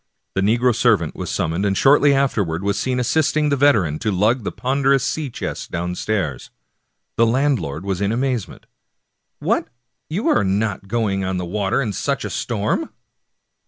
The negro servant was sum moned, and shortly afterwards was seen assisting the veteran to lug the ponderous sea chest downstairs. The landlord was in amazement. " What, you are not going on the water in such a storm